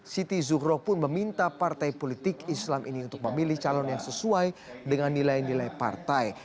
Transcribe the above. siti zuhro pun meminta partai politik islam ini untuk memilih calon yang sesuai dengan nilai nilai partai